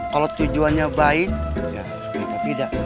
kalau tujuannya baik ya tidak